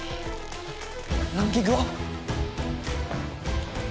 えっランキングは？